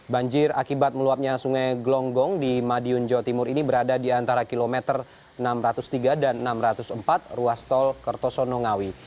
banjir akibat meluapnya sungai glonggong di madiun jawa timur ini berada di antara kilometer enam ratus tiga dan enam ratus empat ruas tol kertosono ngawi